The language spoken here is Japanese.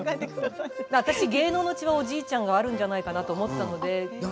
芸能の血はおじいちゃんがあるんじゃないかなと思います。